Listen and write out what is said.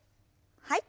はい。